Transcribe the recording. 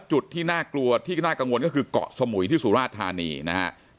จุดที่น่ากลัวที่น่ากังวลก็คือเกาะสมุยที่สุราชธานีนะครับ